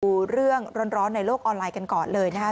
ดูเรื่องร้อนในโลกออนไลน์กันก่อนเลยนะคะ